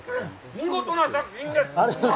見事な作品です。